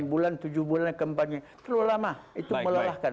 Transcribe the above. delapan bulan tujuh bulan kempanye terlalu lama itu melelahkan